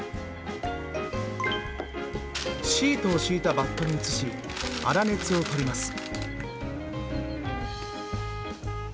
シートを敷いたバットに移し粗熱を取ります。